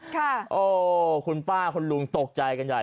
โอ้คุณป้าคุณลุงตกใจกันใหญ่